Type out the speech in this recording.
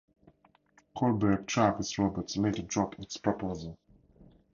Kohlberg Kravis Roberts later dropped its proposal.